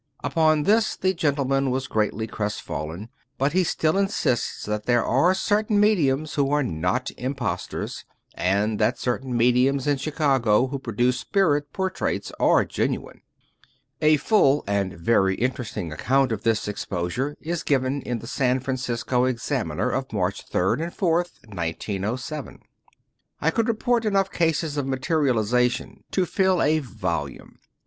Upon this the gentleman was greatly crestfallen, but he still insists that there are certain mediums who are not impostors; and that certain mediums in Chi cago who produce spirit portraits are genuine. A full and very interesting account of this exposure is given in the San Francisco Examiner of March 3 and 4, 1907. ••••• I could report enough cases of materialization to fill a volume.